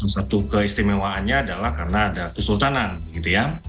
satu keistimewaannya adalah karena ada kesultanan gitu ya